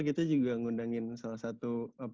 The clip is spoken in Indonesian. kita juga ngundangin salah satu